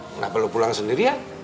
kenapa lo pulang sendirian